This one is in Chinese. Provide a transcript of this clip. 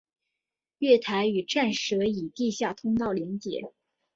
月台与站舍以地下通道连结。